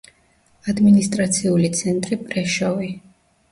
ადმინისტრაციული ცენტრი პრეშოვი.